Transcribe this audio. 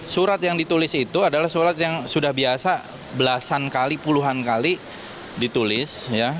surat yang ditulis itu adalah surat yang sudah biasa belasan kali puluhan kali ditulis